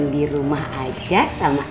di rumah aja sama